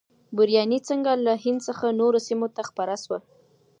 بریاني څنګه له هند څخه نورو سیمو ته خپره سوه؟